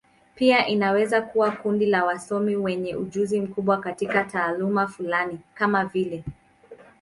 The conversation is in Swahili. Pia inaweza kuwa kundi la wasomi wenye ujuzi mkubwa katika taaluma fulani, kama vile.